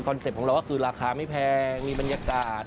เป็ตของเราก็คือราคาไม่แพงมีบรรยากาศ